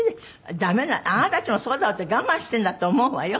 あなたたちもそうだって我慢してるんだって思うわよ。